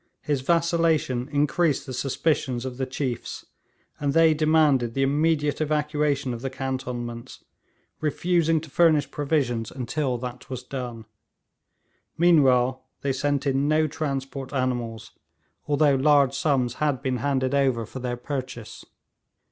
His vacillation increased the suspicions of the chiefs, and they demanded the immediate evacuation of the cantonments, refusing to furnish provisions until that was done. Meanwhile they sent in no transport animals, although large sums had been handed over for their purchase.